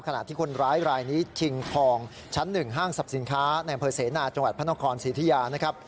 ขณะที่คนร้ายรายนี้ถิ่งทองชั้นหนึ่งห้างศัพท์สินค้าในเผอร์เศนาจังหวัดพระนครสิทธิยานะครับ